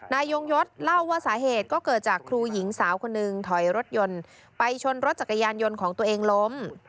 นายยงยศเล่าว่าสาเหตุก็เกิดจากครูหญิงสาวคนหนึ่งถอยรถยนต์ไปชนรถจักรยานยนต์ของตัวเองล้ม